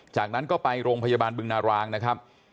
จากนั้นก็ไปโรงพยาบาลบึงนารางนะครับ